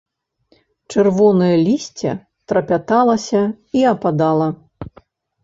Чырвонае лісце трапяталася і ападала.